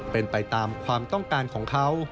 เป็นไปตามความต้องการของเขา